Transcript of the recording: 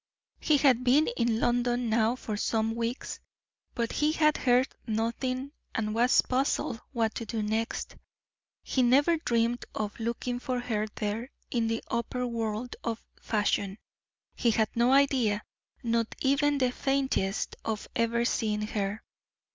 He had been in London now for some weeks, but he had heard nothing, and was puzzled what to do next. He never dreamed of looking for her there, in the upper world of fashion; he had no idea, not even the faintest, of ever seeing her.